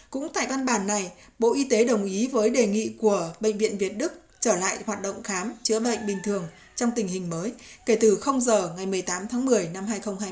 cũng tại văn bản này bộ y tế đồng ý với đề nghị của bệnh viện việt đức trở lại hoạt động khám chữa bệnh bình thường trong tình hình mới kể từ giờ ngày một mươi tám tháng một mươi năm hai nghìn hai mươi